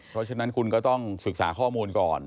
เพราะฉะนั้นคุณก็ต้องศึกษาข้อมูลก่อน